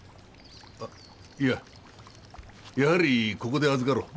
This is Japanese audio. いややはりここで預かろう。